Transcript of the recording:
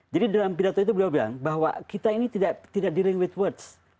jadi dalam pidato itu dia bilang bahwa kita ini tidak dealing with words